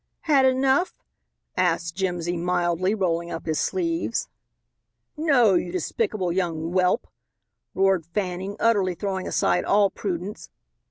"Had enough?" asked Jimsy mildly, rolling up his sleeves. "No, you despicable young whelp!" roared Fanning, utterly throwing aside all prudence.